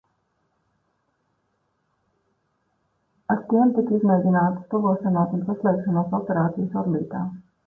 Ar tiem tika izmēģinātas tuvošanās un saslēgšanās operācijas orbītā.